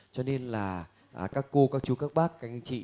cho nên là các cô các chú các bác các anh chị